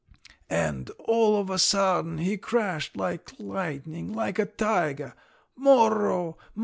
And all of a sudden, he crashed like lightning, like a tiger: _Morro!